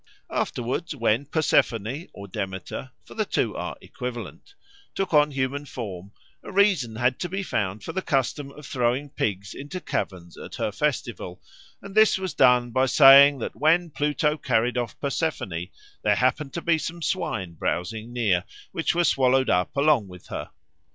Afterwards when Persephone or Demeter (for the two are equivalent) took on human form, a reason had to be found for the custom of throwing pigs into caverns at her festival; and this was done by saying that when Pluto carried off Persephone there happened to be some swine browsing near, which were swallowed up along with her.